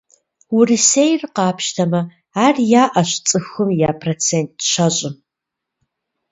Урысейр къапщтэмэ, ар яӏэщ цӏыхум я процент щэщӏым.